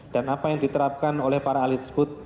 dan apa yang diterapkan oleh para ahli tersebut